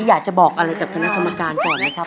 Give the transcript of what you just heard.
อยากจะบอกอะไรกับคณะกรรมการก่อนนะครับ